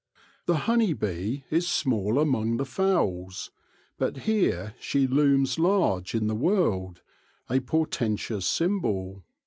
The honey bee is small among the fowls, but here she looms large in the world, a portentous symbol.